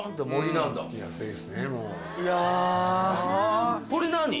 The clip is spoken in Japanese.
いやこれ何？